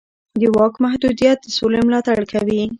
د واک محدودیت د سولې ملاتړ کوي